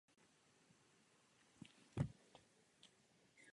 A cestující, kteří uvízli na cestě, neznají přesně svá práva.